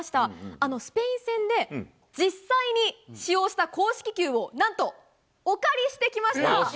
あのスペイン戦で実際に使用した公式球を、なんとお借りしまじか。